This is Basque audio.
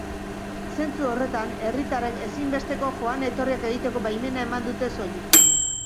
Zentzu horretan, herritarrek ezinbesteko joan-etorriak egiteko baimena eman dute soilik.